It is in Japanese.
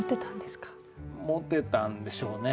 モテたんでしょうね。